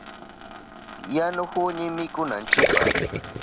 Yanuhuni mikunanchipa.